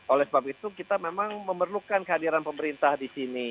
oleh sebab itu kita memang memerlukan kehadiran pemerintah disini